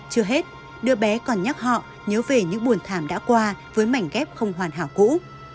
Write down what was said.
chưa hết đứa bé còn nhắc họ nhớ về những buồn thàm đã qua với mảnh ghép không hoàn hảo cũ